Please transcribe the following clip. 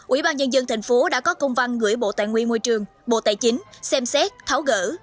ủy ban nhân dân thành phố đã có công văn gửi bộ tài nguyên môi trường bộ tài chính xem xét tháo gỡ